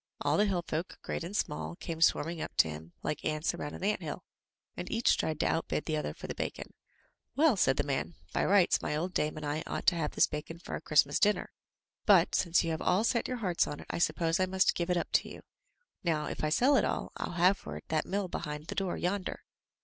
All the hillfolk, great and small, came swarming up to him, like ants aroimd an ant hill, and each tried to outbid the other for the bacon. "Well!'* said the man, "by rights, my old dame and I ought to have this bacon for our Christmas dinner; but, since you have all set your hearts on it, I suppose I must give it up to you. Now, if I sell it at all, I'll have for it that mill behind the door yonder."